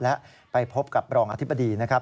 และไปพบกับรองอธิบดีนะครับ